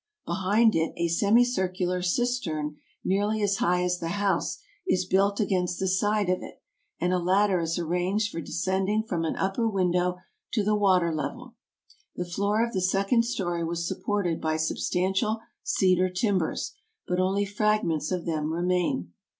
Behind it a semicircular cistern nearly as high as the house is built against the side of it, and a ladder is arranged for descending from an upper window to the water level. The floor of the second story was supported by sub stantial cedar timbers, but only fragments of them remain.